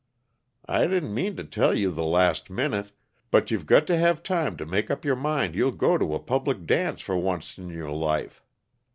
I didn't mean to tell you till the last minute, but you've got to have time to mate up your mind you'll go to a public dance for oncet in your life.